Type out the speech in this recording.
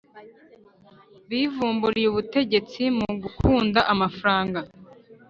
bivumburiye ubutegetsi mugukunda amafaranga